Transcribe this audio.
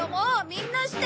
みんなして！